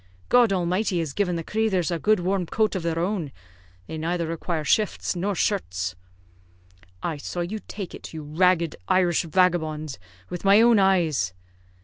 God Almighty has given the crathers a good warm coat of their own; they neither require shifts nor shirts." "I saw you take it, you ragged Irish vagabond, with my own eyes."